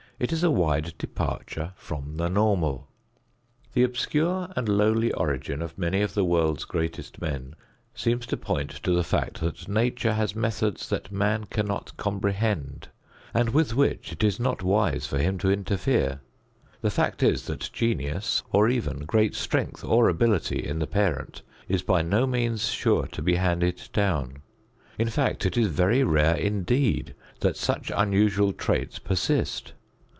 It is a wide departure from the normal. The obscure and lowly origin of many of the world's greatest men seems to point to the fact that Nature has methods that man cannot comprehend and with which it is not wise for him to interfere. The fact is that genius, or even great strength or ability in the parent, is by no means sure to be handed down. In fact, it is very rare indeed that such unusual traits persist.